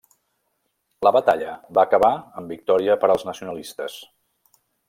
La batalla va acabar en victòria per als nacionalistes.